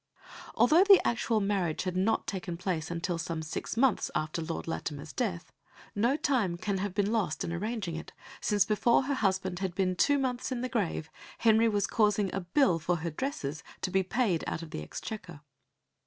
Although the actual marriage had not taken place until some six months after Lord Latimer's death, no time can have been lost in arranging it, since before her husband had been two months in the grave Henry was causing a bill for her dresses to be paid out of the Exchequer.